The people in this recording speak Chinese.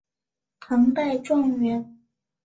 唐代状元。